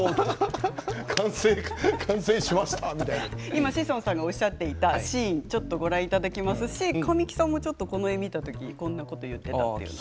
今志尊さんがおっしゃっていたシーンちょっとご覧いただきますし神木さんもちょっとこの絵見た時こんなことを言ってたっていうのを。